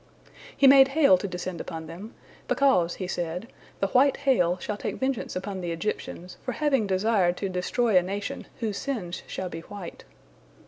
He made hail to descend upon them, "because," He said, "the white hail shall take vengeance upon the Egyptians for having desired to destroy a nation whose sins shall be white."